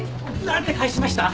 何て返しました？